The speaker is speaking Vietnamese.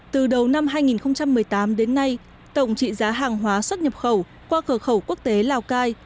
từ đầu năm hai nghìn một mươi tám đến nay tổng trị giá hàng hóa xuất nhập khẩu qua cửa khẩu quốc tế lào cai